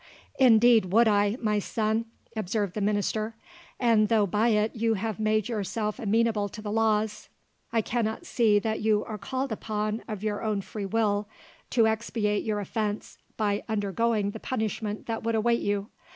"Indeed would I, my son," observed the minister; "and though by it you have made yourself amenable to the laws, I cannot see that you are called upon of your own free will to expiate your offence by undergoing the punishment that would await you.